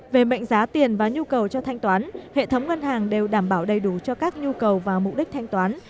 về mệnh giá tiền và nhu cầu cho thanh toán hệ thống ngân hàng đều đảm bảo đầy đủ cho các nhu cầu và mục đích thanh toán